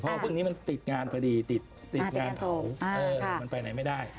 เพราะว่าพรุ่งนี้มันติดงานพอดีติดงานเผามันไปไหนไม่ได้